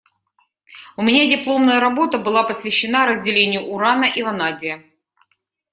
У меня дипломная работа, была посвящена разделению урана и ванадия.